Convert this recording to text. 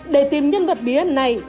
để tìm nhân vật bí ấn này